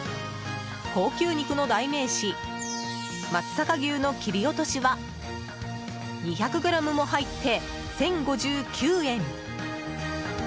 高級肉の代名詞松阪牛の切り落としは２００ｇも入って１０５９円。